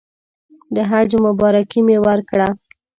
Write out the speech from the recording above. د حج مبارکي مې ورکړه.